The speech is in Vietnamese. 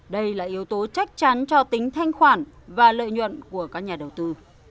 đây là yếu tố chắc chắn cho tính thanh khoản và lợi nhuận của các nhà đầu tư